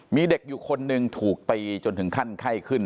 มีเด็กอยู่คนหนึ่งถูกตีจนถึงขั้นไข้ขึ้น